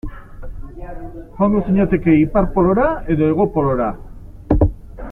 Joango zinateke Ipar Polora edo Hego Polora?